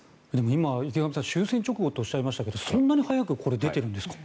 今、池上さん終戦直後とおっしゃりましたがそんなに早くこれ出ているんですか？